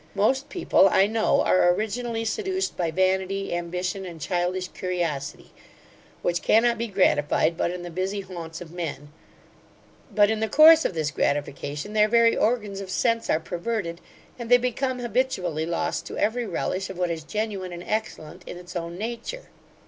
Most people, I know, are originally seduced by vanity, ambition, and childish curiosity; which cannot be gratified, but in the busy haunts of men: but, in the course of this gratification, their very organs of sense are perverted, and they become habitually lost to every relish of what is genuine and excellent in its own nature.